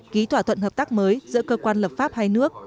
ký thỏa thuận hợp tác mới giữa cơ quan lập pháp hai nước